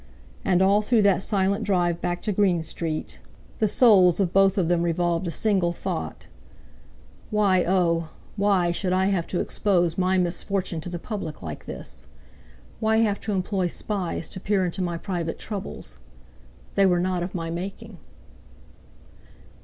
And, all through that silent drive back to Green Street, the souls of both of them revolved a single thought: "Why, oh! why should I have to expose my misfortune to the public like this? Why have to employ spies to peer into my private troubles? They were not of my making."